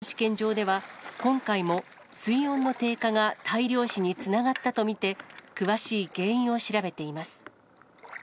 水産試験場では、今回も水温の低下が大量死につながったと見て、詳しい原因を調べています。